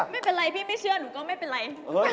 ไม่เป็นไรพี่ไม่เชื่อหนูก็ไม่เป็นไร